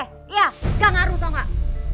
iya gak ngaruh tau gak